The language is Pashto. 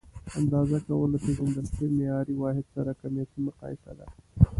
اندازه کول له پیژندل شوي معیاري واحد سره کمیتي مقایسه ده.